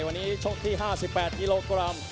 วันนี้ชกที่๕๘กิโลกรัม